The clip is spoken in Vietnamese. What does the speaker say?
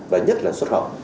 và nhất là xuất khẩu